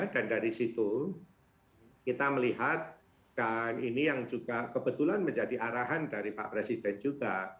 dan dari situ kita melihat dan ini yang juga kebetulan menjadi arahan dari pak presiden juga